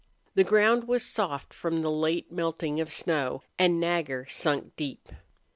The ground was soft from the late melting of snow, and Nagger sunk deep.